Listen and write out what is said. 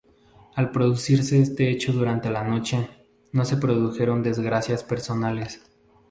Al producirse este hecho durante la noche, no se produjeron desgracias personales.